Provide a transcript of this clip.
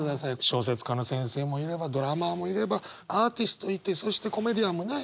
小説家の先生もいればドラマーもいればアーティストいてそしてコメディアンもね。